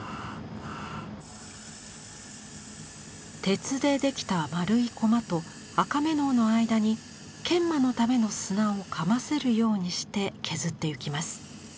鉄でできた丸いコマと赤瑪瑙の間に研磨のための砂をかませるようにして削ってゆきます。